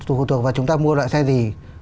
nó còn phụ thuộc vào chúng ta mua loại xe gì